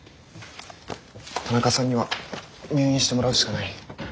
田中さんには入院してもらうしかない。